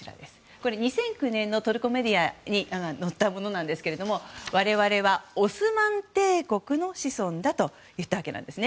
２００９年のトルコメディアに載ったものですが我々は、オスマン帝国の子孫だと言ったわけなんです。